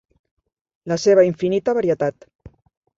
La seva infinita varietat